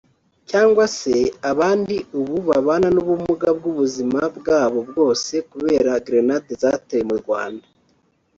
cyangwa se abandi ubu babana n’ubumuga bw’ubuzima bwabo bwose kubera grenade zatewe mu Rwanda